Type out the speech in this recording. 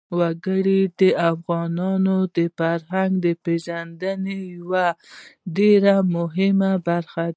وګړي د افغانانو د فرهنګي پیژندنې یوه ډېره مهمه برخه ده.